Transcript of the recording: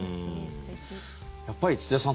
やっぱり土田さん